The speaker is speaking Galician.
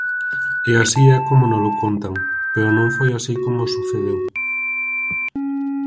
E así é como nolo contan, pero non foi así como sucedeu.